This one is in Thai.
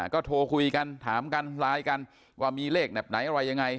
ก็โทรคุยกันถามกันไลน์กันว่ามีเลขแบบไหนอะไรยังไง